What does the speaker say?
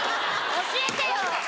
教えてよ！